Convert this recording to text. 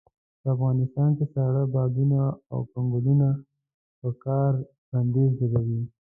په افغانستان کې ساړه بادونه او کنګلونه پر کار بنديز لګوي.